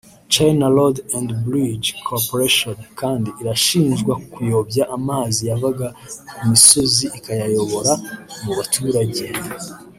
China Road and Bridge Corporation” kandi irashinjwa kuyobya amazi yavaga ku misozi ikayayobora mu baturage